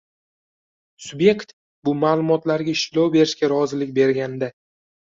subyekt bu ma’lumotlarga ishlov berishga rozilik berganda;